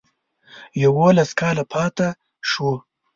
یوولس کاله پاته شو.